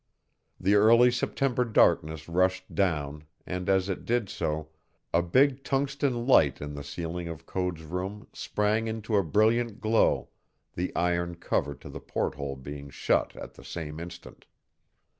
The early September darkness rushed down and, as it did so, a big Tungsten light in the ceiling of Code's room sprang into a brilliant glow, the iron cover to the porthole being shut at the same instant.